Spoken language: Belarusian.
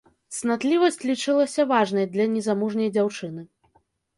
Цнатлівасць лічылася важнай для незамужняй дзяўчыны.